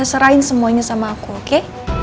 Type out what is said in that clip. serahin semuanya sama aku oke